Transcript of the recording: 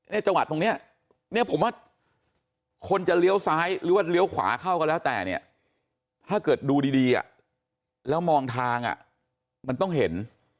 จังหวัดตรงเนี้ยเนี่ยผมว่าคนจะเลี้ยวซ้ายหรือว่าเลี้ยวขวาเข้าก็แล้วแต่เนี่ยถ้าเกิดดูดีอ่ะแล้วมองทางอ่ะมันต้องเห็น